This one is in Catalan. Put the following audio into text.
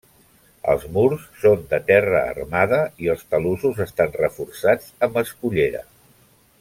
Els murs són de terra armada i els talussos estan reforçats amb escullera.